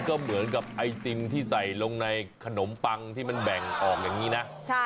ก็เหมือนกับไอติมที่ใส่ลงในขนมปังที่มันแบ่งออกอย่างนี้นะ